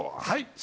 はい？